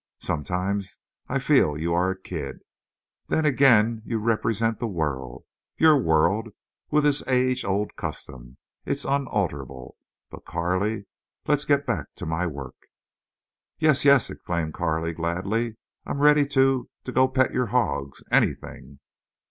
"Sometimes I feel you are a kid. Then again you represent the world—your world with its age old custom—its unalterable.... But, Carley, let's get back to my work." "Yes—yes," exclaimed Carley, gladly. "I'm ready to—to go pet your hogs—anything."